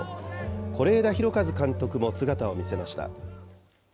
是枝裕和監督も姿を見せました。